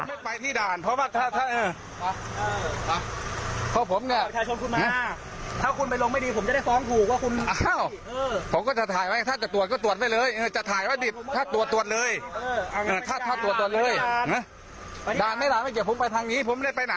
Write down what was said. อาลบอาลบสิอินทรัพย์ต้องได้มา